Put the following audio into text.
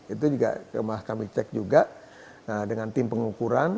itu juga kami cek juga dengan tim pengukuran